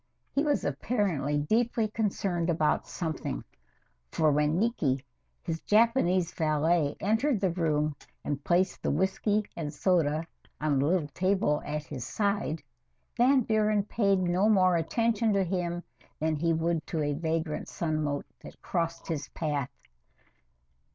He was apparently deeply concerned about something, for when Niki, his Japanese valet, entered the room and placed the whisky and soda on the little table at his side, Van Buren paid no more attention to him than he would to a vagrant sunmote that crossed his path.